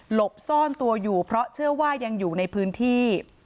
บซ่อนตัวอยู่เพราะเชื่อว่ายังอยู่ในพื้นที่